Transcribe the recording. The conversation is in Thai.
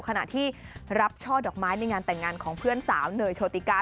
ขณะที่รับช่อดอกไม้ในงานแต่งงานของเพื่อนสาวเนยโชติกา